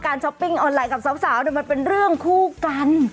ช้อปปิ้งออนไลน์กับสาวมันเป็นเรื่องคู่กัน